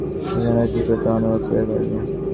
তাঁহার প্রজারা শীঘ্রই তাহা অনুভব করিতে পারিল।